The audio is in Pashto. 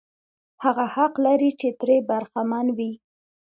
هغه حق لري چې ترې برخمن وي.